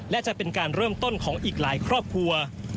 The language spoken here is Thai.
และจะเป็นการเริ่มต้นของอีกหลายครอบครัว